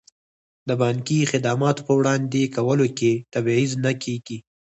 د بانکي خدماتو په وړاندې کولو کې تبعیض نه کیږي.